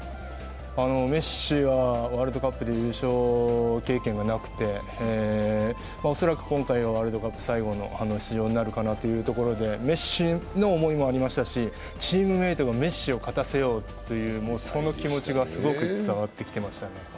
メッシはワールドカップで優勝経験がなくて、恐らく今大会ワールドカップが最後の出場になるということでメッシの思いもありましたしチームメートがメッシを勝たせようという気持ちがすごく伝わってきてました。